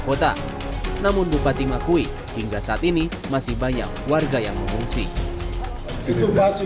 kota namun bupati makui hingga saat ini masih banyak warga yang mengungsi itu lokasi